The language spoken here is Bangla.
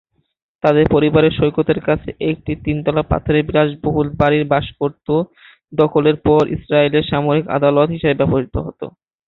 তাদের পরিবার সৈকতের কাছে একটি তিনতলা পাথরের বিলাসবহুল বাড়িতে বাস করত, দখলের পর ইস্রায়েলের সামরিক আদালত হিসাবে ব্যবহৃত হত।